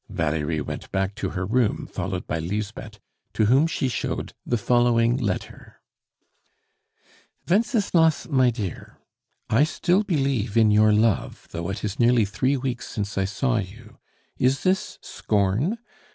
Valerie went back to her room, followed by Lisbeth, to whom she showed the following letter: "WENCESLAS MY DEAR, I still believe in your love, though it is nearly three weeks since I saw you. Is this scorn?